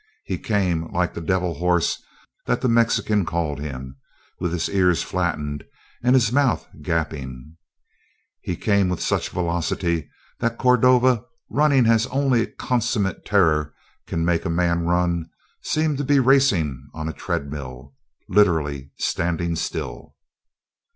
He came like the "devil horse" that the Mexican called him, with his ears flattened and his mouth gaping; he came with such velocity that Cordova, running as only consummate terror can make a man run, seemed to be racing on a treadmill literally standing still.